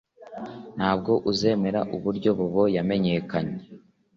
Ntabwo uzemera uburyo Bobo yamenyekanye